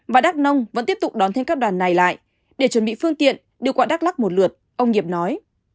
và đắk nông vẫn tiếp tục đón thêm các đoàn này lại để chuẩn bị phương tiện đưa qua đắk lắc một lượt ông nghiệp nói